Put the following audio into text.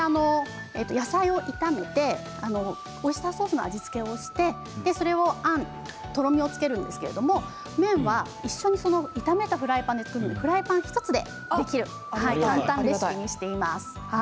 野菜を炒めてオイスターソースで味付けをしてそれをあん、とろみをつけるんですけれど麺は一緒に炒めたフライパンで作るのでフライパン１つでできる簡単レシピにしています。